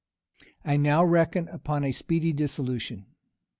I now reckon upon a speedy dissolution.